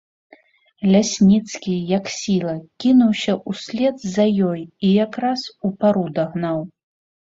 Лясніцкі, як сіла, кінуўся ўслед за ёй і якраз упару дагнаў.